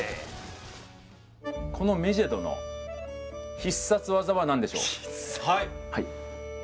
このメジェドの必殺技は何でしょう？